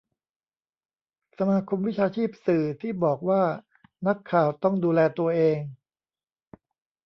สมาคมวิชาชีพสื่อ ที่บอกว่า นักข่าวต้องดูแลตัวเอง